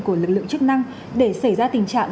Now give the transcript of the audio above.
của lực lượng chức năng để xảy ra tình trạng